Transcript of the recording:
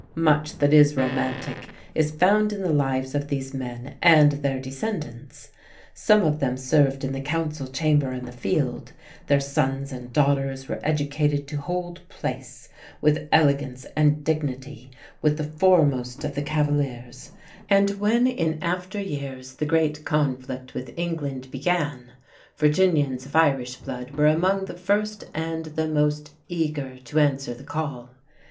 Much that is romantic is found in the lives of these men and their descendants. Some of them served in the Council chamber and the field, their sons and daughters were educated to hold place, with elegance and dignity, with the foremost of the Cavaliers, and when in after years the great conflict with England began, Virginians of Irish blood were among the first and the most eager to answer the call.